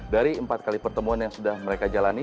dari empat kali pertemuan yang sudah mereka jalani